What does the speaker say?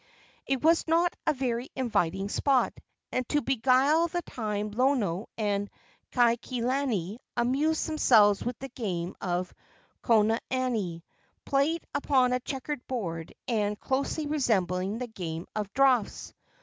It was not a very inviting spot, and to beguile the time Lono and Kaikilani amused themselves with the game of konane, played upon a checkered board and closely resembling the game of draughts.